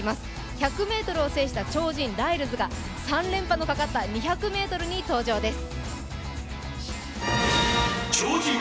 １００ｍを制した超人・ライルズが３連覇のかかった２００ｍに登場です。